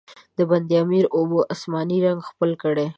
د بند امیر اوبو، آسماني رنګ خپل کړی دی.